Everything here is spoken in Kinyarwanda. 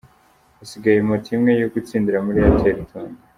Hasigaye moto imwe yo gutsindira muri Airtel Tunga.